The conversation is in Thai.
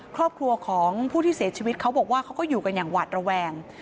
ครอบครัวของผู้ที่เสียชีวิตเขาบอกว่าเขาก็อยู่กันอย่างหวาดระแวง